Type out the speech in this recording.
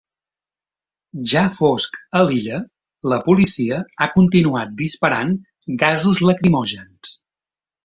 Ja fosc a l’illa, la policia ha continuat disparant gasos lacrimògens.